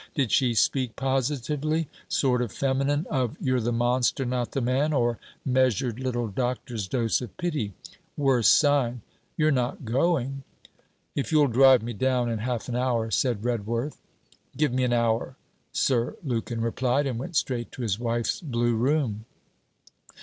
Did she speak positively? sort of feminine of "you're the monster, not the man"? or measured little doctor's dose of pity? worse sign.' You 're not going?' 'If you'll drive me down in half an hour,' said Redworth. 'Give me an hour,' Sir Lukin replied, and went straight to his wife's blue room.